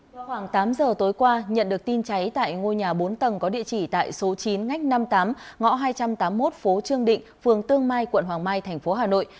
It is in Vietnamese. vào khoảng tám giờ tối qua nhận được tin cháy tại ngôi nhà bốn tầng có địa chỉ tại số chín ngách năm mươi tám ngõ hai trăm tám mươi một phố trương định phường tương mai quận hoàng mai thành phố hà nội